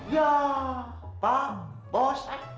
ya pak bos